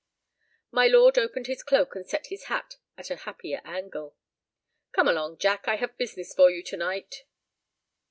My lord opened his cloak and set his hat at a happier angle. "Come along, Jack; I have business for you to night."